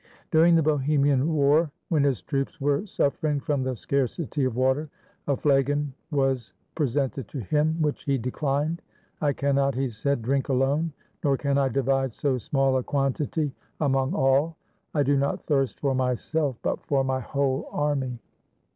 During the Bohemian War, when his troops were suffering from the scarcity of water, a flagon was pre sented to him, which he declined. "I cannot," he said, "drink alone, nor can I divide so small a quantity among all; I do not thirst for myself, but for my whole army."